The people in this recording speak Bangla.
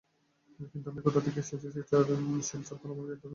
কিন্তু আমি কোথা থেকে এসেছি, সেটার সিলছাপ্পর আমার গায়ে দেওয়ার দরকার নেই।